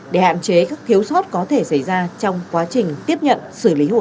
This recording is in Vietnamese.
để hạn chế các thiếu sót có thể xảy ra trong quá trình tiếp nhận xử lý hồ sơ